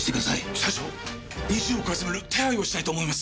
社長２０億集める手配をしたいと思います。